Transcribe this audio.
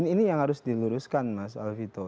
ini yang harus diluruskan mas alvito